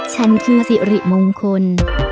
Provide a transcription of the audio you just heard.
ฉันคือสิริมงคล